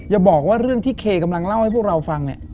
อย่าบอกว่าเรื่องที่เคกำลังเล่าให้พวกเราฟังเนี่ย